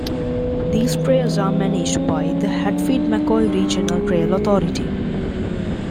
These trails are managed by the Hatfield-McCoy Regional Trail Authority.